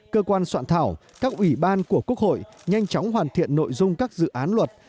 cơ quan soạn thảo các ủy ban của quốc hội nhanh chóng hoàn thiện nội dung các dự án luật